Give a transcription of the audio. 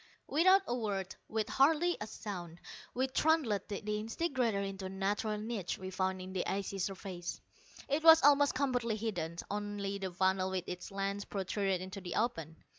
Without a word, with hardly a sound, we trundled the disintegrator into a natural niche we found in the icy surface. It was almost completely hidden; only the funnel with its lens protruded into the open.